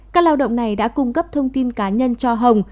các lao động này đã cung cấp thông tin cá nhân cho hồng